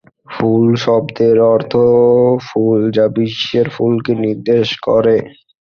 ফুল' শব্দের অর্থ ফুল যা বিশ্বের ফুলকে নির্দেশ করে।